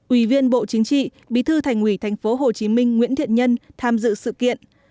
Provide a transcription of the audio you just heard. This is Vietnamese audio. ủy viên bộ chính trị bí thư thành ủy tp hcm nguyễn thiện nhân tham dự sự kiện